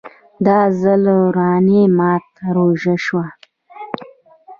دا ځل رواني ماته ژوره شوه